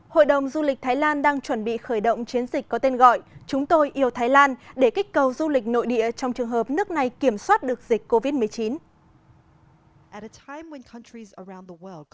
hội đồng du lịch thái lan đang chuẩn bị khởi động chiến dịch có tên gọi chúng tôi yêu thái lan để kích cầu du lịch nội địa trong trường hợp nước này kiểm soát được dịch covid một mươi chín